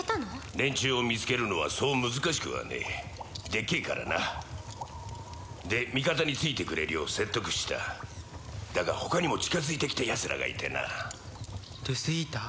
連中を見つけるのはそう難しくはねえでっけえからなで味方についてくれるよう説得しただが他にも近づいてきたやつらがいてなデスイーター？